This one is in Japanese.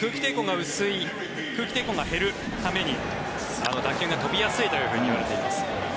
空気抵抗が減るために打球が飛びやすいといわれています。